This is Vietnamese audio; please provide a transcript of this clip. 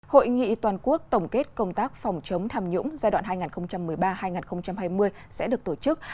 hội nghị toàn quốc tổng kết công tác phòng chống tham nhũng giai đoạn hai nghìn một mươi ba hai nghìn hai mươi sẽ được tổ chức